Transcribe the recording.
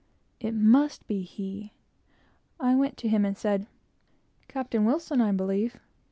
It must be he! I went to him and said, "Captain Wilson, I believe."